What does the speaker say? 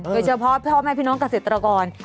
โดยเฉพาะพ่อแม่พี่น้องเกษตรกร